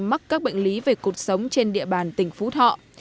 mắc các bệnh lý về cuộc sống trên địa bàn tỉnh phú thọ